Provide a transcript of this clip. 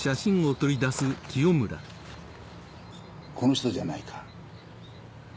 この人じゃないか？